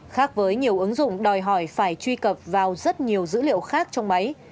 khác với nhiều ứng dụng đòi hỏi phải truy cập vào rất nhiều dữ liệu khác trong máy